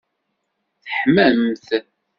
Teḥmamt?